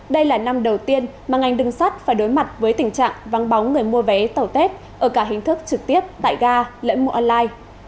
đây là năm đầu tiên mà ngành đường sắt phải đối mặt với tình trạng vắng bóng người mua vé tàu tết ở cả hình thức trực tiếp tại ga lễ mua online